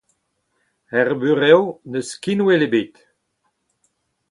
Er burev n’eus skinwel ebet.